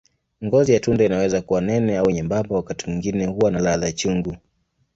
Ngozi ya tunda inaweza kuwa nene au nyembamba, wakati mwingine huwa na ladha chungu.